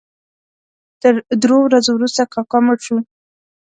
تر درو ورځو وروسته کاکا مړ شو.